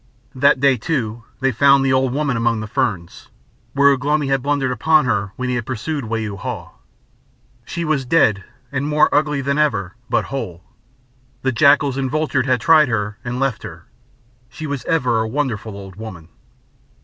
That day, too, they found the old woman among the ferns, where Ugh lomi had blundered upon her when he had pursued Wau Hau. She was dead and more ugly than ever, but whole. The jackals and vultures had tried her and left her; she was ever a wonderful old woman.